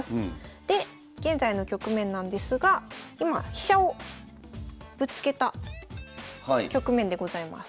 で現在の局面なんですが今飛車をぶつけた局面でございます。